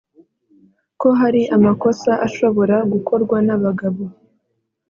ko hari amakosa ashobora gukorwa n’abagabo